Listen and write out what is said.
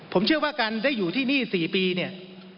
ผมเชื่อว่าการได้อยู่ที่นี่๔ปีเนี่ย